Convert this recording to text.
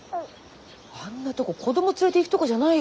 あんなとこ子供連れていくとこじゃないよ。